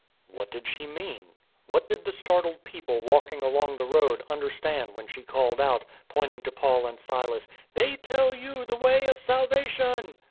What did she mean? What did the startled people walking along the road understand when she called out, pointing to Paul and Silas :" They tell you the way of salvation."